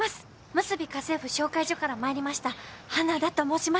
むすび家政婦紹介所から参りました花田と申します。